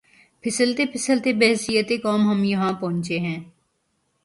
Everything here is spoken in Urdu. پھسلتے پھسلتے بحیثیت قوم ہم یہاں پہنچے ہیں۔